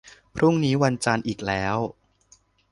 พรุ่งนี้วันจันทร์อีกแล้ว